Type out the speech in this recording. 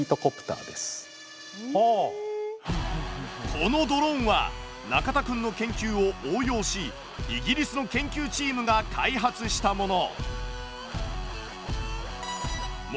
このドローンは中田くんの研究を応用しイギリスの研究チームが開発したもの。